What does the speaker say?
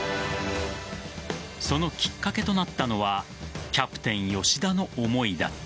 そのきっかけとなったのはキャプテン・吉田の思いだった。